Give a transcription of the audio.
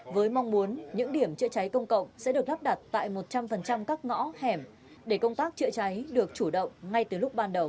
với mong muốn những điểm chữa cháy công cộng sẽ được lắp đặt tại một trăm linh các ngõ hẻm để công tác chữa cháy được chủ động ngay từ lúc ban đầu